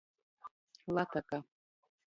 Lataka.